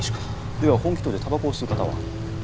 では本鬼頭でタバコを吸う方は？